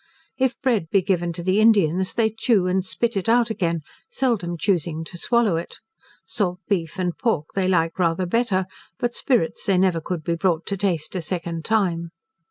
If bread be given to the Indians, they chew and spit it out again, seldom choosing to swallow it. Salt beef and pork they like rather better, but spirits they never could be brought to taste a second time.